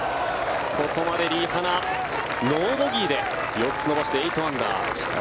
ここまでリ・ハナノーボギーで４つ伸ばして８アンダー。